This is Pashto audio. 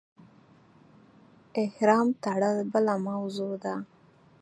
احرام تړل بله موضوع ده.